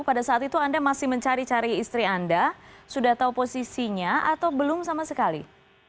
pada saat itu anda masih mencari cari istri anda sudah tahu posisinya atau belum sama sekali